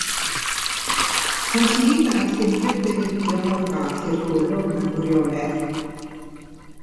Ond ni ddaeth unrhyw gynigion o'r fath i'r golwg mewn gwirionedd.